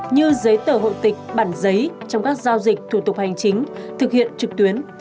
như giấy tờ hộ tịch bản giấy trong các giao dịch thủ tục hành chính thực hiện trực tuyến